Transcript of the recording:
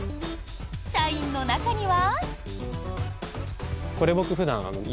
社員の中には。